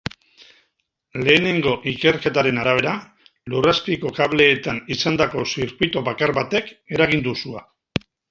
Lehenengo ikerketen arabera, lur azpiko kableetan izandako zirkuitubakar batek eragin du sua.